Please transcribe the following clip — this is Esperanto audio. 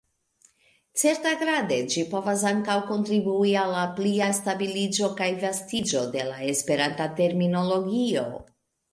Certagrade ĝi povas ankaŭ kontribui al plia stabiliĝo kaj vastiĝo de la Esperanta terminologio.